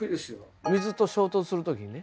水と衝突する時にね